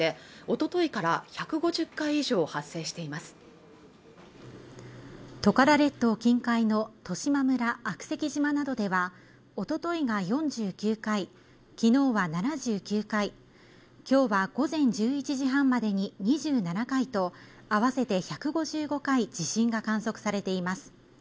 トカラ列島近海の十島村悪石島などではおとといが４９回昨日は７９回今日は午前１１時半までに２７回と合わせて１５５回地震が観測されています